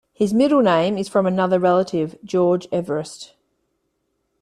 His middle name is from another relative, George Everest.